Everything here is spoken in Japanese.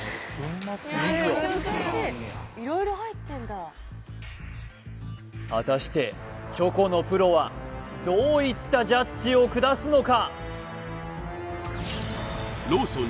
あの果たしてチョコのプロはどういったジャッジを下すのか？